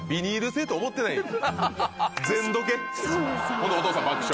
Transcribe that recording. ほんでお父さん爆笑。